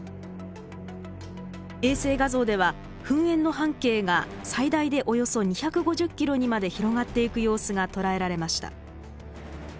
衛星画像では噴煙の半径が最大でおよそ２５０ｋｍにまで広がっていく様子が捉えられました。